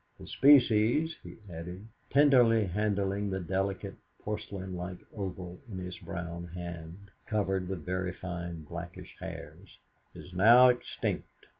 The species," he added, tenderly handling the delicate, porcelain like oval in his brown hand covered with very fine, blackish hairs, "is now extinct."